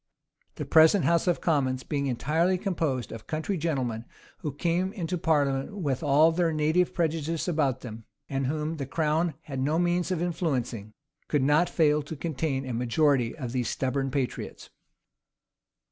The present house of commons, being entirely composed of country gentlemen, who came into parliament with all their native prejudices about them, and whom the crown had no means of influencing, could not fail to contain a majority of these stubborn patriots.